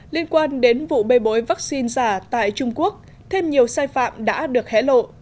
liên quan đến vụ bê bối vắc xin giả tại trung quốc thêm nhiều sai phạm đã được hé lộ